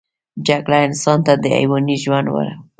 جګړه انسان ته د حیواني ژوند ورښيي